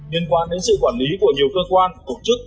liên quan đến sự quản lý của nhiều cơ quan tổ chức